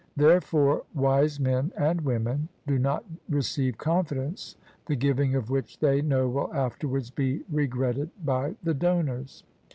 Therefore wise men — ^and women — do not receive confidence the giving of which they know will afterwards be regretted by the donors.